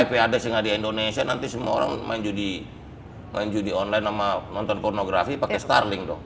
kalau ip address nya nggak di indonesia nanti semua orang main judi online sama nonton pornografi pakai starlink dong